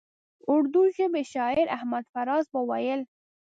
اردو ژبي شاعر احمد فراز به ویل.